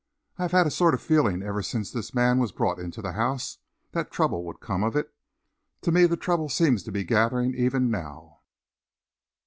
I have had a sort of feeling ever since this man was brought into the house, that trouble would come of it. To me the trouble seems to be gathering even now."